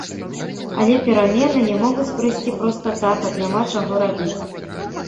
Але перамены не могуць прыйсці проста так, ад няма чаго рабіць.